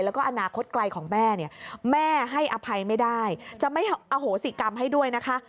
แล้วก็อนาคตไกลของแม่เนี่ยแม่ให้อภัยไม่ได้จะไม่อโหสิกรรมให้ด้วยนะคะ